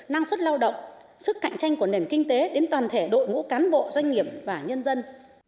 năng suất lao động sức cạnh tranh của nền kinh tế đến toàn thể đội ngũ cán bộ doanh nghiệp và nhân dân